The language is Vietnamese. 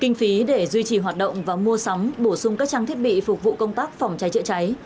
kinh phí để duy trì hoạt động và mua sắm bổ sung các trang thiết bị phục vụ công tác phòng trái trịa trái